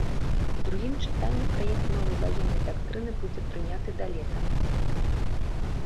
У другім чытанні праект новай ваеннай дактрыны будзе прыняты да лета.